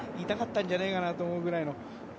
痛かったんじゃないかというぐらいの。